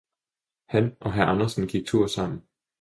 Han og hr. Andersen gik tur sammen.